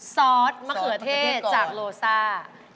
ซอสมะเขือเทศจากโลซ่า